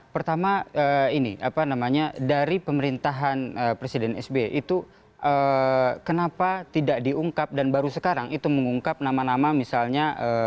pertama ini apa namanya dari pemerintahan presiden sb itu kenapa tidak diungkap dan baru sekarang itu mengungkap nama nama misalnya